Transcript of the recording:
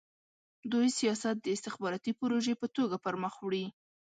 دوی سیاست د استخباراتي پروژې په توګه پرمخ وړي.